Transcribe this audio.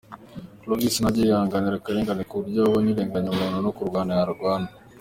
Clovis ntajya yihanganira akarengane kuburyo akubonye urenganya umuntu no kurwana yarwana.